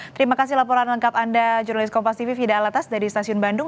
terima kasih laporan lengkap anda jurnalis kompativida alatas dari stasiun bandung